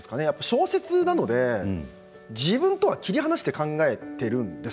小説なので自分とは切り離して考えているんです。